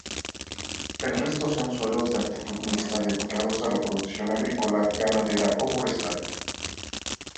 El resto son suelos de aptitud mixta dedicados a la producción agrícola-ganadera o forestal.